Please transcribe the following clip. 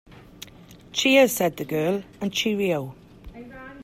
Cheers, said the girl, and cheerio